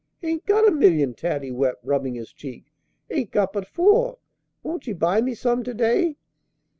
"Hain't got a million!" Taddy wept, rubbing his cheek. "Hain't got but four! Won't ye buy me some to day?"